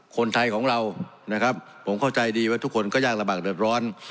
คนไทยของเรานะครับผมเข้าใจดีว่าทุกคนก็ยากลำบากเดือดร้อน